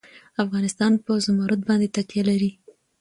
افغانستان په زمرد باندې تکیه لري.